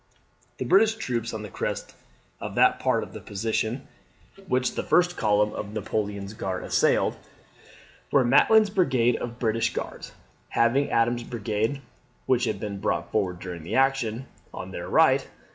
The British troops on the crest of that part of the position, which the first column of Napoleon's Guards assailed, were Maitland's brigade of British Guards, having Adams's brigade (which had been brought forward during the action) on their right.